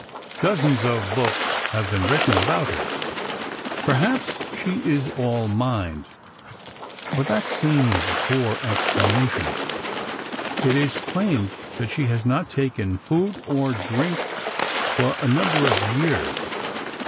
Dozens of books have been written about her. Perhaps she is all mind, but that seems a poor explanation. It is claimed that she has not taken food or drink for a number of years.